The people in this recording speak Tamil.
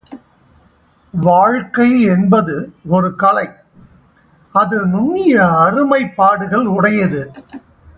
வாழ்க்கை என்பது ஒருகலை அது நுண்ணிய அருமைப்பாடுகள் உடையது.